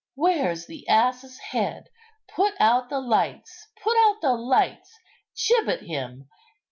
"Where's the ass's head? put out the lights, put out the lights! gibbet him!